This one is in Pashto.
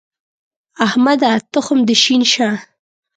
احمده! تخم دې شين شه.